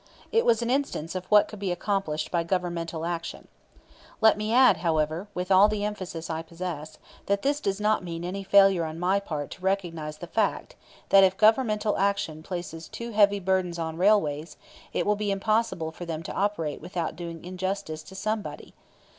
It was an instance of what could be accomplished by governmental action. Let me add, however, with all the emphasis I possess, that this does not mean any failure on my part to recognize the fact that if governmental action places too heavy burdens on railways, it will be impossible for them to operate without doing injustice to somebody.